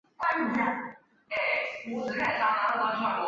清代建筑郑氏十七房是澥浦镇最重要的旅游景点。